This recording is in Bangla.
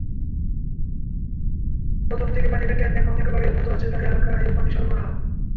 প্রথম দিকে পানি পেতেন, এখন একেবারেই বন্ধ আছে তাঁর এলাকায় পানি সরবরাহ।